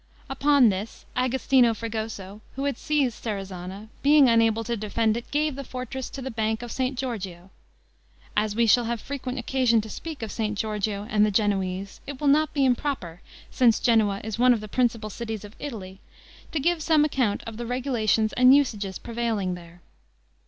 Upon this, Agostino Fregoso, who had seized Serezana, being unable to defend it, gave the fortress to the Bank of St. Giorgio. As we shall have frequent occasion to speak of St. Giorgio and the Genoese, it will not be improper, since Genoa is one of the principal cities of Italy, to give some account of the regulations and usages prevailing there.